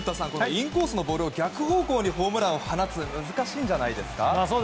インコースのボールを逆方向にホームランを放つって難しいんじゃないですか？